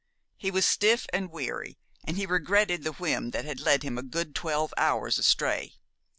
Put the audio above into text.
He was stiff and weary, and he regretted the whim that had led him a good twelve hours astray.